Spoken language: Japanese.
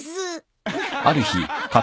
アハハハ。